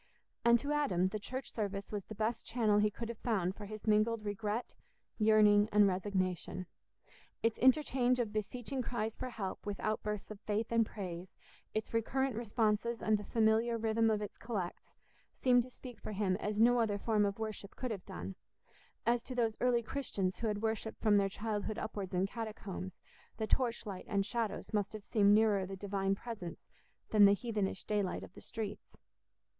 And to Adam the church service was the best channel he could have found for his mingled regret, yearning, and resignation; its interchange of beseeching cries for help with outbursts of faith and praise, its recurrent responses and the familiar rhythm of its collects, seemed to speak for him as no other form of worship could have done; as, to those early Christians who had worshipped from their childhood upwards in catacombs, the torch light and shadows must have seemed nearer the Divine presence than the heathenish daylight of the streets.